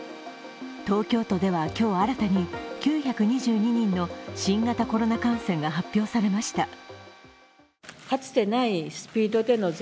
東京都では今日、新たに９２２人の新型コロナ感染が発表されました。